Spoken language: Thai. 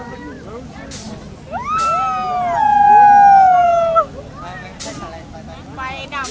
ไฟดำหมดแล้ว